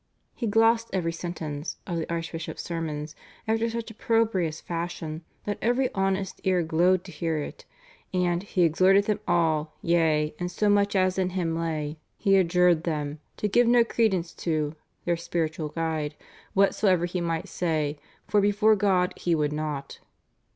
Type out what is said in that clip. He glossed every sentence (of the archbishops sermons) after such opprobrious fashion that every honest ear glowed to hear it, and "he exhorted them all, yea, and so much as in him lay he adjured them, to give no credence to (their spiritual guide) whatsoever he might say, for before God he would not."